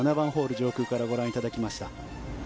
上空からご覧いただきました。